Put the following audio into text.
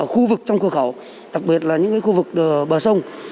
khu vực trong cửa khẩu đặc biệt là những khu vực bờ sông